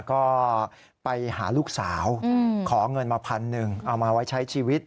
ก็ไปหาลูกสาวขอเงินมาพันหนึ่งเอามาไว้ใช้ชีวิต